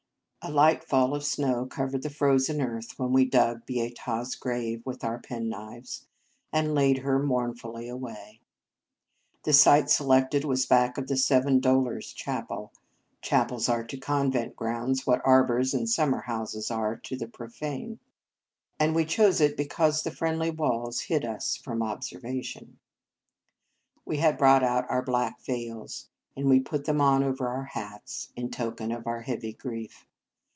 A light fall of snow covered the frozen earth when we dug Beata s grave with our penknives, and laid her mournfully away. The site selected was back of the "Seven Dolours" cha pel (chapels are to convent grounds what arbours and summer houses are to the profane), and we chose it be 180 Marriage Vows cause the friendly walls hid us from observation. We had brought out our black veils, and we put them on over our hats, in token of our heavy grief.